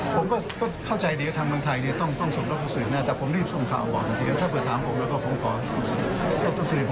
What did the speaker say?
ผมก็เข้าใจดีว่าทางเมืองไทยต้องต้องส่งรถสุรินทร์แน่แต่ผมรีบส่งข่าวบอกทางเดียวถ้าเผื่อถามผมแล้วก็ผมขอรถสุรินทร์